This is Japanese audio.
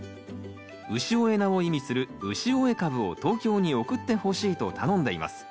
潮江菜を意味するウシオエカブを東京に送ってほしいと頼んでいます。